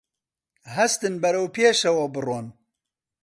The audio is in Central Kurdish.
هەستن بەرەو پێشەوە بڕۆن